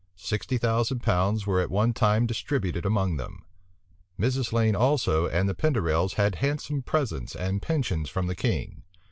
Sixty thousand pounds were at one time distributed among them; Mrs. Lane also and the Penderells had handsome presents and pensions from the king.